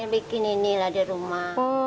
bikin ini lah di rumah